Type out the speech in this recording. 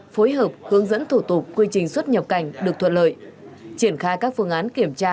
phối hợp hướng dẫn thủ tục quy trình xuất nhập cảnh được thuận lợi triển khai các phương án kiểm tra